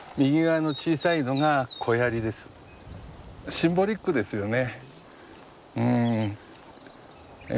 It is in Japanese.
シンボリックですよね。